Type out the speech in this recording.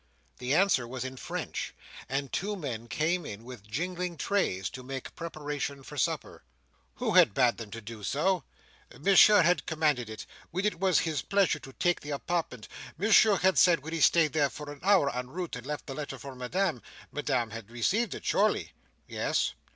The answer was in French, and two men came in with jingling trays, to make preparation for supper. "Who had bade them to do so?" she asked. "Monsieur had commanded it, when it was his pleasure to take the apartment. Monsieur had said, when he stayed there for an hour, en route, and left the letter for Madame—Madame had received it surely?" "Yes."